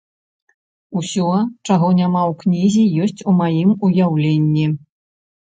Усё, чаго няма ў кнізе, ёсць у маім уяўленні.